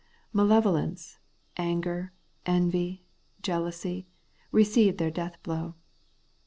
Malevolence, anger, envy, jealousy, receive their death blow.